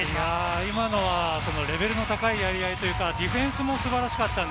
今のはレベルの高いやり合いというかディフェンスも素晴らしかった。